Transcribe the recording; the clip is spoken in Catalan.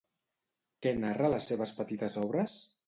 Què narra a les seves petites obres?